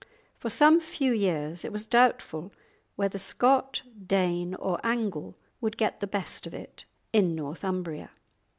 For some few years it was doubtful whether Scot, Dane, or Angle would get the best of it in Northumbria.